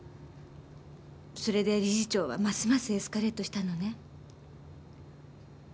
それで理事長はますますエスカレートしたのね。